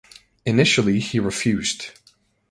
Initially he refused.